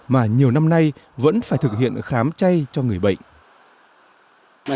mà nhiều năm nay vẫn phải thực hiện khám chay cho người bệnh